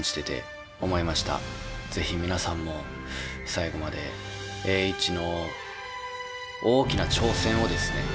是非皆さんも最後まで栄一の大きな挑戦をですね